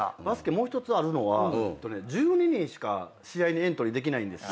もう１つあるのは１２人しか試合にエントリーできない。